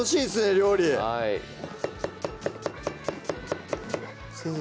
料理はい先生